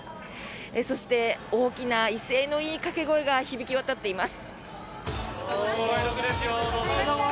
そして、大きな威勢のいい掛け声が響き渡っています。